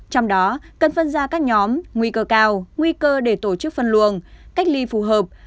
trong đó cần phân ra các nhóm nguy cơ cao nguy cơ để tổ chức phân luồng cách ly phù hợp